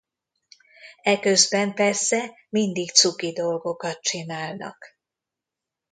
Eközben persze mindig cuki dolgokat csinálnak.